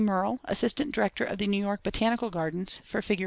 Murrill, Assistant Director of the New York Botanical Gardens, for Fig.